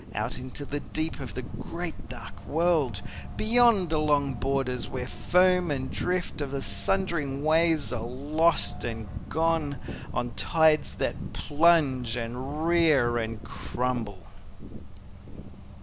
Out into the deep of the great dark world, Beyond the long borders where foam and drift Of the sundering waves are lost and gone On the tides that plunge and rear and crumble.